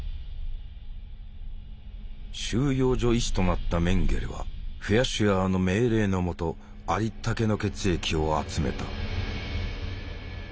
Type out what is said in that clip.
収容所医師となったメンゲレはフェアシュアーの命令の下ありったけの血液を集めた。